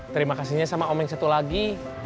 terima kasihnya sama om yang satu lagi